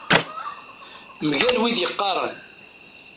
Mgal wid yeqqaren.